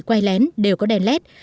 quay lén đều có đèn led